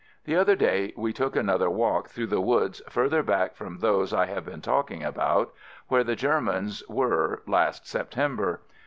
The other day, we took another walk through the woods further back from those I have been talking about, where the Germans were last September.